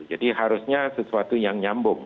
jadi harusnya sesuatu yang nyambung